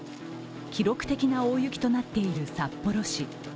記録的な大雪となっている札幌市。